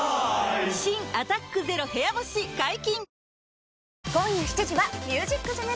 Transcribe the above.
新「アタックＺＥＲＯ部屋干し」解禁‼